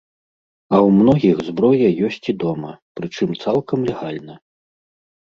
А ў многіх зброя ёсць і дома, прычым цалкам легальна.